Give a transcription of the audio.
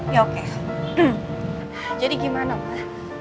ya oke jadi gimana mas